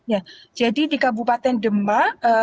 ya jadi di kabupaten demak